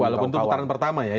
walaupun itu putaran pertama ya